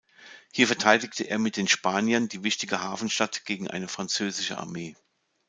Hier verteidigte er mit den Spaniern die wichtige Hafenstadt gegen eine französische Armee.